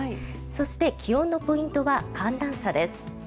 そして気温のポイントは寒暖差です。